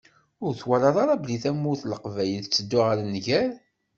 Ur twalaḍ ara belli tamurt n Leqbayel tetteddu ɣer nnger?